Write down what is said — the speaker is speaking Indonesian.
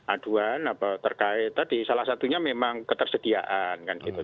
aduan terkait tadi salah satunya memang ketersediaan kan gitu